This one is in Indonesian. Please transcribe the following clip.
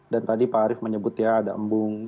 dan tadi pak arief menyebut ya ada embung kemurungan